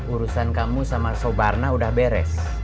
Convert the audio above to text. urusan kamu sama sobarna udah beres